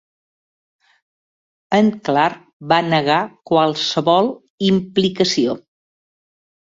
En Clark va negar qualsevol implicació.